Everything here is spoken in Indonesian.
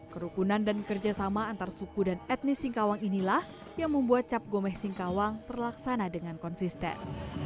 kerukunan dan kerjasama antar suku dan etnis singkawang inilah yang membuat cap gomeh singkawang terlaksana dengan konsisten